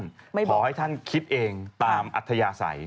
ขอให้ท่านคิดเองตามอัธยาศัย